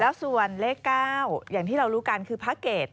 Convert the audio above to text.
แล้วส่วนเลข๙อย่างที่เรารู้กันคือพระเกต